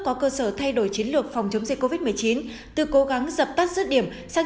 có cơ sở thay đổi chiến lược phòng chống dịch covid một mươi chín từ cố gắng dập tắt dứt điểm sang